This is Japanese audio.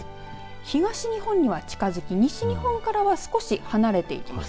東日本には近づき、西日本からは少し離れていきます。